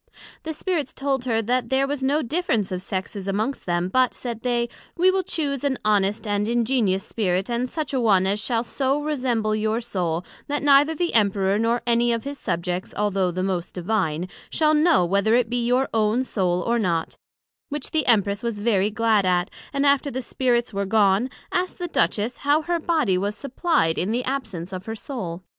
The Spirits told her, that there was no difference of Sexes amongst them; but, said they, we will chuse an honest and ingenious Spirit, and such a one as shall so resemble your soul, that neither the Emperor, nor any of his Subjects, although the most Divine, shall know whether it be your own soul, or not: which the Empress was very glad at, and after the Spirits were gone, asked the Duchess, how her body was supplied in the absence of her soul?